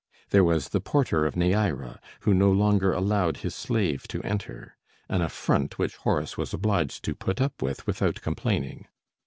There was the porter of Neæra, who no longer allowed his slave to enter; an affront which Horace was obliged to put up with without complaining.